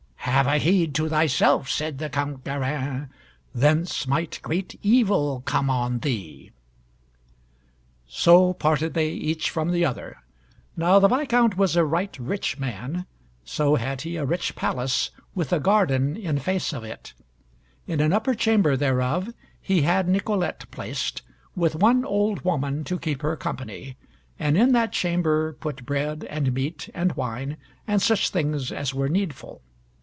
"Have a heed to thyself," said the Count Garin: "thence might great evil come on thee." So parted they each from the other. Now the Viscount was a right rich man: so had he a rich palace with a garden in face of it; in an upper chamber thereof he had Nicolette placed, with one old woman to keep her company, and in that chamber put bread and meat and wine and such things as were needful.